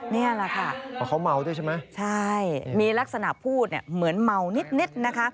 นี่แหละค่ะเพราะเขาเมาด้วยใช่ไหมใช่มีลักษณะพูดเนี่ยเหมือนเมานิดนะคะ